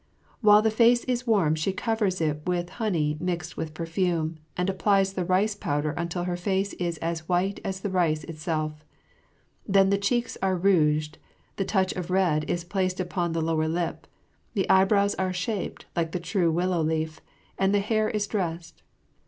While the face is warm she covers it with honey mixed with perfume, and applies the rice powder until her face is as white as the rice itself. Then the cheeks are rouged, the touch of red is placed upon the lower lip, the eyebrows are shaped like the true willow leaf, and the hair is dressed.